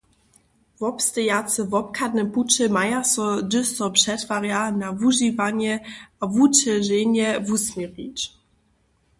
Wobstejace wobchadne puće maja so, hdyž so přetwarja, na wužiwanje a wućeženje wusměrić.